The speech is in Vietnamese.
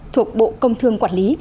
thuộc bộ công thương quản lý